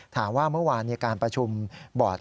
ถามว่าเมื่อวานในจุดประชุมบอศ